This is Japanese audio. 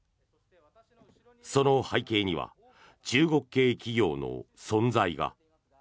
その背景には中国系企業の存在が。